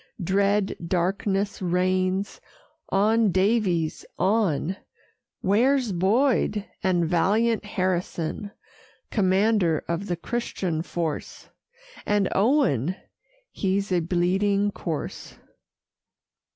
Dread darkness reigns. On, Daviess, on. Where's Boyd? And valiant Harrison, Commander of the Christian force? And Owen? He's a bleeding corse!